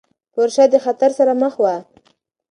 پورشه د خطر سره مخ وه.